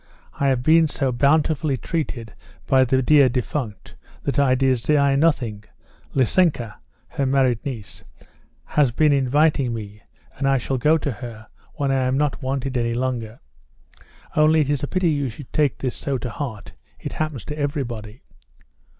I have been so bountifully treated by the dear defunct, that I desire nothing. Lisenka" (her married niece) "has been inviting me, and I shall go to her when I am not wanted any longer. Only it is a pity you should take this so to heart; it happens to everybody."